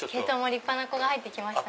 立派な子が入って来ました。